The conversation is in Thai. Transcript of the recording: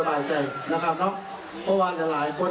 อยากจะทดแพ้นะขอเปลี่ยน